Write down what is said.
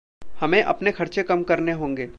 हमें अपने खर्चे कम करने होंगे।